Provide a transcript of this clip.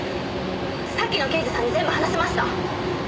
さっきの刑事さんに全部話しました。